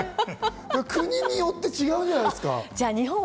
国によって違うんじゃないですか？